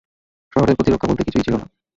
শহরের প্রতিরক্ষা বলতে কিছুই ছিল না।